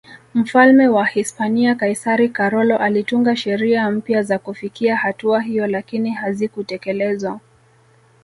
Mfalme wa Hispania Kaisari Karolo alitunga sheria mpya za kufikia hatua hiyo lakini hazikutekelezwa